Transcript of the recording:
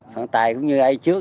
phân tài cũng như ai trước